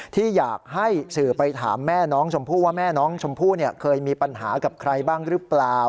ที่อยากให้สื่อไปถามแม่น้องชมพู่ว่าแม่น้องชมพู่เคยมีปัญหากับใครบ้างหรือเปล่า